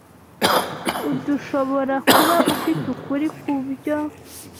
Urdushoborakuba ufite ukuri kubyo.